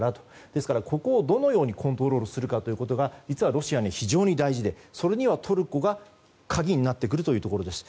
ですから、ここをどのようにコントロールするかが実はロシアには非常に大事で、それにはトルコが鍵になってくるということです。